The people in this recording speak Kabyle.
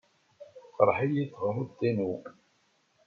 Teqreḥ-iyi teɣruḍt-inu.